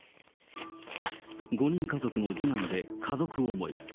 ５人家族の次男で、家族思い。